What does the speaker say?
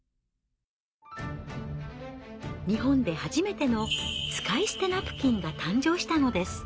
日本で初めての使い捨てナプキンが誕生したのです。